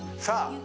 さあ